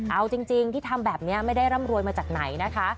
เอาจริงที่ทำแบบนี้ไม่ได้ร่ำรวยมาจากไหนนะคะ